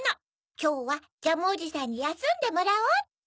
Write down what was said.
きょうはジャムおじさんにやすんでもらおうって。